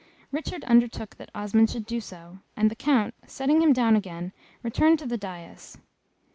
Richard undertook that Osmond should do so, and the Count, setting him down again, returned to the dais.